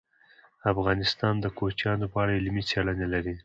افغانستان د کوچیانو په اړه علمي څېړنې لري.